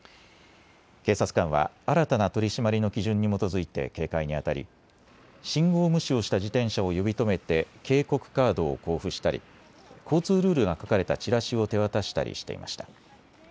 警察官は新たな取締りの基準に基づいて警戒にあたり信号無視をした自転車を呼び止めて警告カードを交付したり交通ルールが書かれたチラシを手渡したりしていました。